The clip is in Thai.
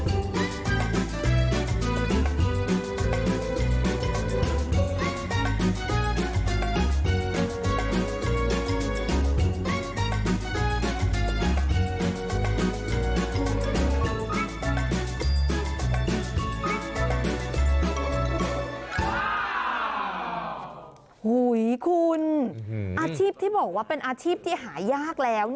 โอ้โหอาชีพที่บอกว่าเป็นอาชีพที่หายากแล้ว